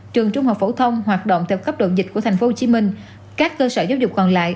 trường trung học phổ thông hoạt động theo cấp độ dịch của tp hcm các cơ sở giáo dục còn lại